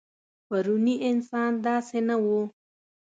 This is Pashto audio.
پروني انسان داسې نه و.